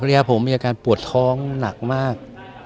ยาผมมีอาการปวดท้องหนักมาก